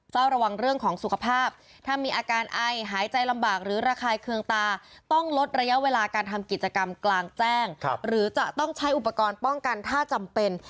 เจ้าระวังเรื่องของสุขภาพ